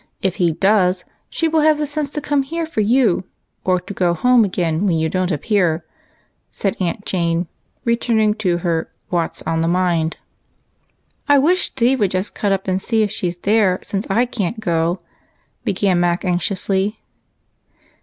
If he does, she will have the sense to come here for you, or to go home again when you don't appear," said Aunt Jane, returning to her " Watts on the Mind." " I wish Steve would just cut up and see if she's there, since I can't go," began Mac, anxiously.